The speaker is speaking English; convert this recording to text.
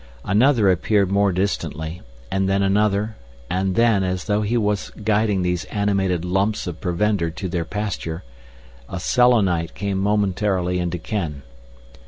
Another appeared more distantly, and then another, and then, as though he was guiding these animated lumps of provender to their pasture, a Selenite came momentarily into ken.